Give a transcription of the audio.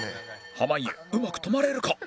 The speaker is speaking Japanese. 濱家うまく止まれるか？